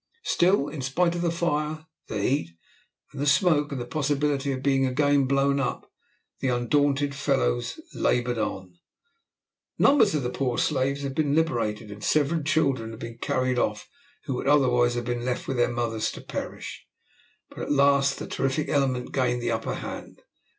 Still, in spite of the fire, the heat, and the smoke, and the possibility of being again blown up, the undaunted fellows laboured on. Numbers of the poor slaves had been liberated, and several children had been carried off who would otherwise have been left with their mothers to perish; but at last the terrific element gained the upper hand.